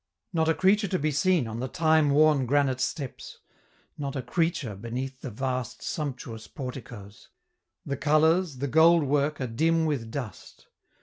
Not a creature to be seen on the time worn granite steps; not a creature beneath the vast, sumptuous porticoes; the colors, the gold work are dim with dust.